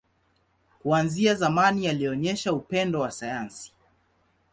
Kuanzia zamani, alionyesha upendo wa sayansi.